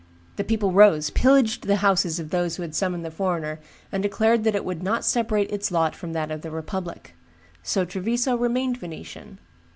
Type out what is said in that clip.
The people rose, pillaged the houses of those who had summoned the foreigner, and declared that it would not separate its lot from that of the republic. So Treviso remained Venetian.